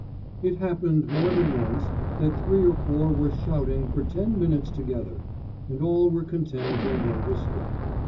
It happened more than once that three or four were shouting for ten minutes together, and all were content and understood.